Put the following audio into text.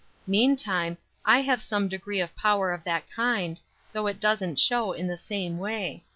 Meantime, I have some degree of power of that kind, though it doesn't show in the same way.